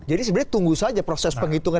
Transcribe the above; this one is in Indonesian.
sebenarnya tunggu saja proses penghitungan